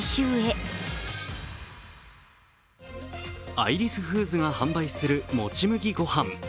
アイリスフーズが販売するもち麦ごはん。